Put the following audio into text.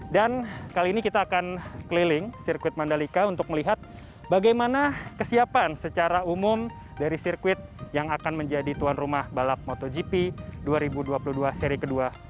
dan kali ini kita akan keliling sirkuit mandalika untuk melihat bagaimana kesiapan secara umum dari sirkuit yang akan menjadi tuan rumah balap motogp dua ribu dua puluh dua seri kedua